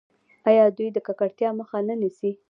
آیا دوی د ککړتیا مخه نه نیسي؟